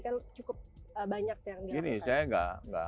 tadi kan cukup banyak yang dianggap